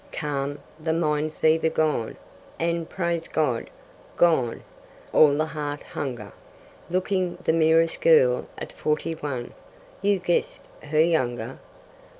Calm, the mind fever gone, and, praise God! gone All the heart hunger; Looking the merest girl at forty one You guessed her younger?